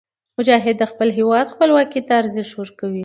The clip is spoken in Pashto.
مجاهد د خپل هېواد خپلواکۍ ته ارزښت ورکوي.